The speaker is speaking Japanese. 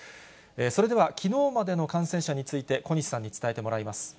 それでは、きのうまでの感染者について、小西さんに伝えてもらいます。